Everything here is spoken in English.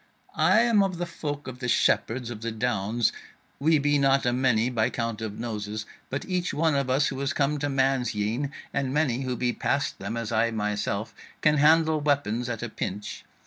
"I am of the folk of the shepherds of the Downs: we be not a many by count of noses, but each one of us who is come to man's yean, and many who be past them, as I myself, can handle weapons at a pinch.